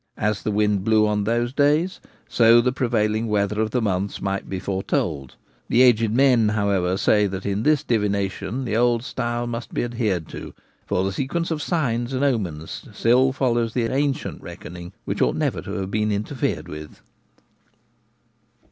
As the wind blew on those days so the prevailing weather of the months might be foretold. The aged men, however, say that in this divination the old style must be adhered to, for the sequence of signs and omens still follows the ancient reckoning, which ought never to have been interfered with.